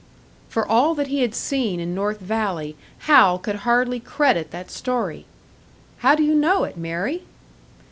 For all that he had seen in North Valley, Hal could hardly credit that story. "How do you know it, Mary?"